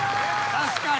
確かに。